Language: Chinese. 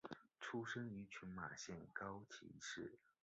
出身于群马县高崎市。